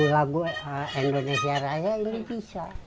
enam puluh lagu indonesia raya ini bisa